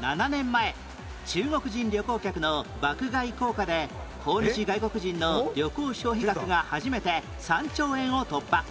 ７年前中国人旅行客の爆買い効果で訪日外国人の旅行消費額が初めて３兆円を突破